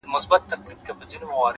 د احساساتو توازن عقل پیاوړی کوي’